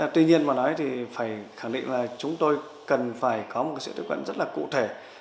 tuy nhiên mà nói thì phải khẳng định là chúng tôi cần phải có một sự tiếp cận rất là cụ thể